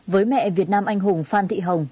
với mẹ việt nam anh hùng phan thị hồng